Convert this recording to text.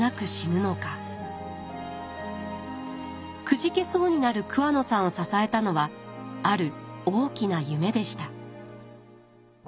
くじけそうになる桑野さんを支えたのはある大きな夢でした。